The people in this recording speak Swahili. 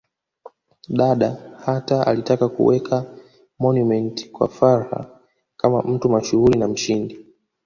Dada hata alitaka kuweka monument kwa Fuhrer kama mtu mashuhuri na mshindi